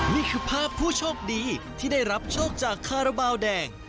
นี่คือภาพผู้โชคดีที่ได้รับโชคจากคาราบาลแดง